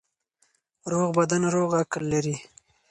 روغ بدن روغ عقل لري.